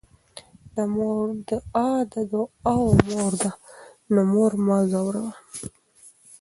د مور دعاء د دعاوو مور ده، نو مور مه ځوروه